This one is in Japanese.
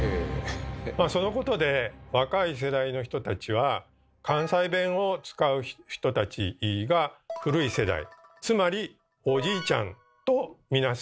そのことで若い世代の人たちは関西弁を使う人たちが「古い世代」つまり「おじいちゃん」と見なすようになったっていうことですね。